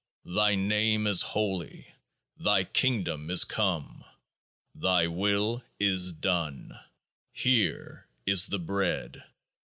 Thy Name is holy. Thy Kingdom is come. Thy Will is done. Here is the Bread.